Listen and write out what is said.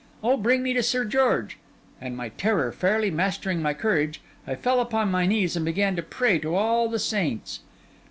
Oh, bring me to Sir George!' And, my terror fairly mastering my courage, I fell upon my knees and began to pray to all the saints.